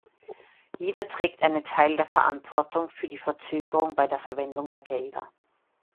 Jeder trägt einen Teil der Verantwortung für die Verzögerungen bei der Verwendung der Gelder.